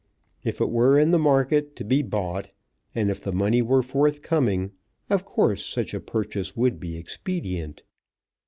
If it were in the market, to be bought, and if the money were forthcoming, of course such a purchase would be expedient.